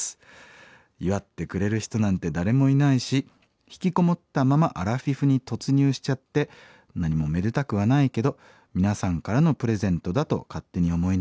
「祝ってくれる人なんて誰もいないしひきこもったままアラフィフに突入しちゃって何もめでたくはないけど皆さんからのプレゼントだと勝手に思いながら番組を聴きます。